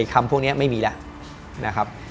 คำพวกนี้ไม่มีแล้ว